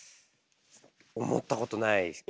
思ったことないですね。